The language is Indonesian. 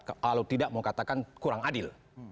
kalau tidak mau katakan kurang adil